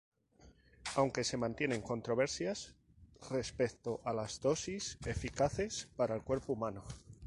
Aunque se mantienen controversias respecto a las dosis eficaces para el cuerpo humano.